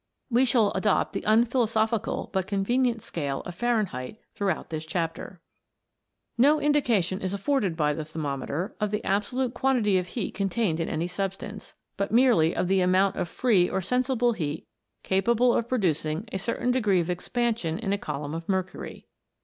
We shall adopt the unphilosophical but convenient scale of Fahrenheit throughout this chapter. No indication is afforded by the thermometer of the absolute quantity of heat contained in any substance, but merely of the amount of free or sensible heat capable of producing a certain degree of expansion in a column of mercury.